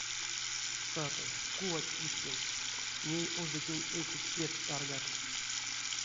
Саты, кувать киштевтсь, ней ождятнень эсеть кедьс таргак.